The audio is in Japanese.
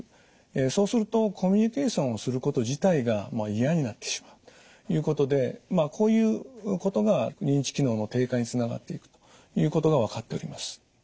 そうするとコミュニケーションをすること自体が嫌になってしまうということでこういうことが認知機能の低下につながっていくということが分かっております。